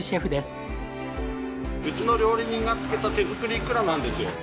うちの料理人が作った手作りイクラなんですよ。